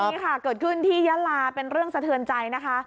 นี่ค่ะเกิดขึ้นที่ยาลาเป็นเรื่องสะเทือนใจนะคะ